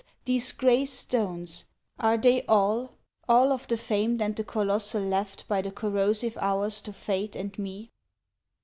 these grey stones are they all All of the famed, and the colossal left By the corrosive Hours to Fate and me?